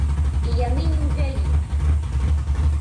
І яны не ўвялі.